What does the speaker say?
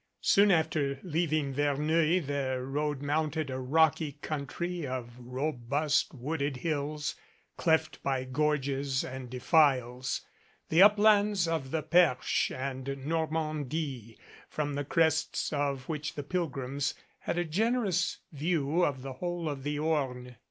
Soon after leaving Verneuil their road mounted a rocky country of robust wooded hills, cleft by gorges and defiles, the uplands of the Perche and Nor mandie, from the crests of which the pilgrims had a gen erous view of the whole of the Orne.